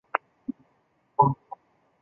出身于冈山县御津郡御津町。